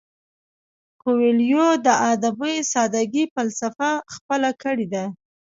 کویلیو د ادبي ساده ګۍ فلسفه خپله کړې ده.